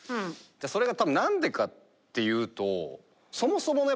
それが多分なんでかっていうと。